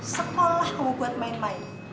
sekolah kamu buat main main